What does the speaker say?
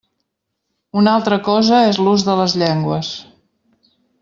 Una altra cosa és l'ús de les llengües.